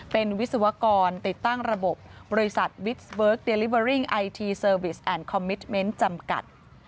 เป็นวิศวกรติดตั้งระบบบริษัทวิสเวิร์คเดลิเวอริ่งไอทีเซอร์วิสแอนดคอมมิตเมนต์จำกัด